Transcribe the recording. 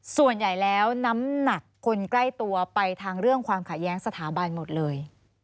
ส่วนใหญ่แล้วน้ำหนักคนใกล้ตัวไปทางเรื่องความขัดแย้งสถาบันหมดเลย